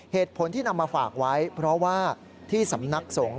เหตุผลที่นำมาฝากไว้เพราะว่าที่สำนักสงฆ์